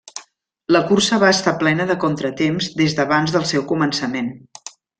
La cursa va estar plena de contratemps des d'abans del seu començament.